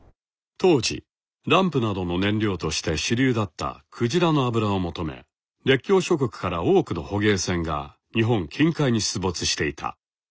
当時ランプなどの燃料として主流だった鯨の油を求め列強諸国から多くの捕鯨船が日本近海に出没していた。